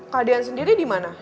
kak dean sendiri dimana